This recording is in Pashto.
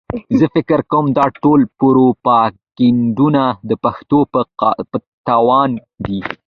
زه فکر کوم دا ډول پروپاګنډونه د پښتنو په تاوان دي.